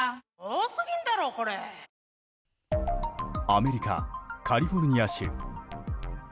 アメリカ・カリフォルニア州。